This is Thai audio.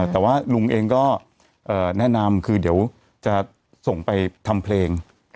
แต่ว่าลุงเองก็แนะนำคือเดี๋ยวจะส่งไปทำเพลง